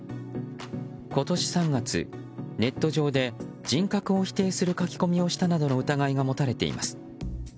今年３月、ネット上で人格を否定する書き込みをしたなどの疑いが持たれています。